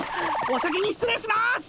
お先に失礼します！